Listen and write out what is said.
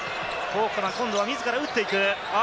今度は自ら打っていく。